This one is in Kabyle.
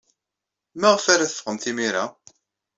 Maɣef ara teffɣemt imir-a?